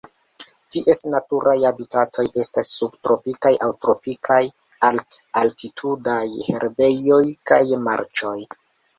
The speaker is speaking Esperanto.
Ties naturaj habitatoj estas subtropikaj aŭ tropikaj alt-altitudaj herbejoj kaj marĉoj.